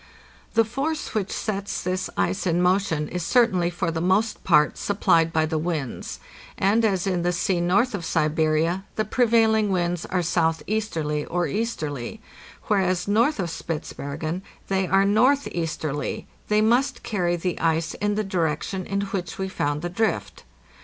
The force which sets this ice in motion is certainly for the most part supplied by the winds; and as in the sea north of Siberia the prevailing winds are southeasterly or easterly, whereas north of Spitzbergen they are northeasterly, they must carry the ice in the direction in which we found the drift.